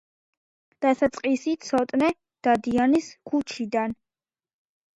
დასაწყისი ცოტნე დადიანის ქუჩიდან.